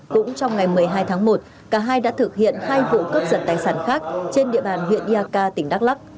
cũng trong ngày một mươi hai tháng một cả hai đã thực hiện hai vụ cướp giật tài sản khác trên địa bàn huyện yaka tỉnh đắk lắc